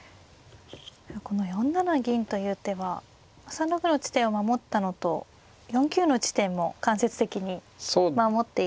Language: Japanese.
この４七銀という手は３六の地点を守ったのと４九の地点も間接的に守っている。